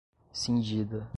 cindida